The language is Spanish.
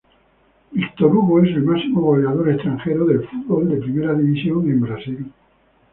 Víctor Hugo es el máximo goleador extranjero del fútbol de primera división en Brasil.